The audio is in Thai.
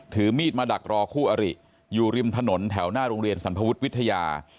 ถือมีดมาดักรอคู่อริอยู่ริมถนนแถวหน้าโรงเรียนสรรพวุฒิวิทยา